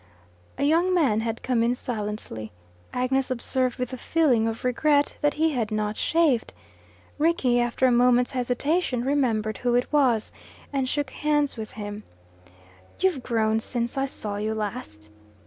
A young man had come in silently. Agnes observed with a feeling of regret that he had not shaved. Rickie, after a moment's hesitation, remembered who it was, and shook hands with him. "You've grown since I saw you last."